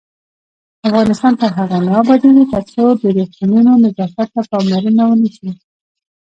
افغانستان تر هغو نه ابادیږي، ترڅو د روغتونونو نظافت ته پاملرنه ونشي.